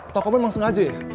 tokomu emang sengaja ya